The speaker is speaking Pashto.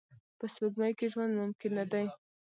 په سپوږمۍ کې ژوند ممکن نه دی